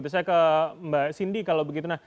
saya ke mbak cindy kalau begitu